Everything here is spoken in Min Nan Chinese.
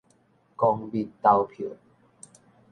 公民投票